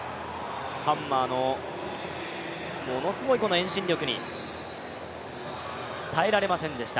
ハンマーのものすごい遠心力に耐えられませんでした。